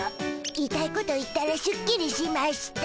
言いたいこと言ったらしゅっきりしました。